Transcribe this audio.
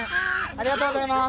ありがとうございます。